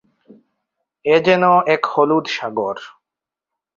এ যেনো এক হলুদ সাগর।